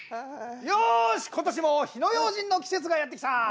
よし今年も火の用心の季節がやって来た！